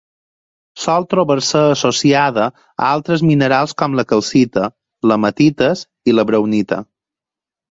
Sol trobar-se associada a altres minerals com la calcita, l'hematites i la braunita.